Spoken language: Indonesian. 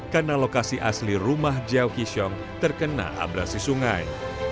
karena lokasi asli rumah jauh kisyong terkena abrasi sungai